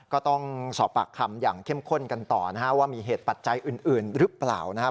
ก็ต้องสอบปากคำอย่างเข้มข้นกันต่อนะฮะว่ามีเหตุปัจจัยอื่นหรือเปล่านะครับ